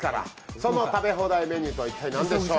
その食べ放題メニューとは一体、何でしょう？